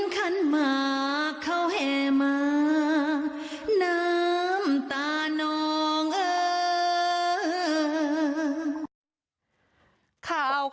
ข่าวเขาว่าไงต่อ